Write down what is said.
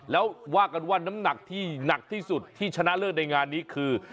แล้วว่ากันว่าน้ำหนักที่หนักที่สุดที่ชนะเลิศในงานนี้คือ